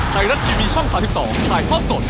ไทยรัฐทีวีช่อง๓๒ถ่ายทอดสด